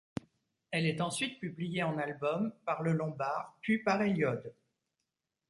Elle est ensuite publiée en albums, par Le Lombard puis par Hélyode.